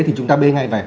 thì chúng ta bê ngay về